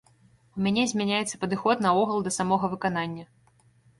У мяне змяняецца падыход наогул да самога выканання.